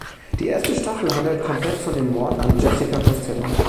Die erste Staffel handelt komplett von dem Mord an Jessica Costello.